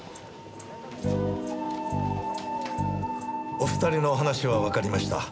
お２人のお話はわかりました。